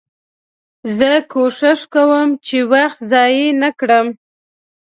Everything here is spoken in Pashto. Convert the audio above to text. زه کوښښ کوم، چي وخت ضایع نه کړم.